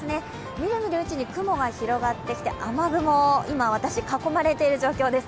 みるみるうちに雲が広がってきて、雨雲、今私、囲まれている状況です。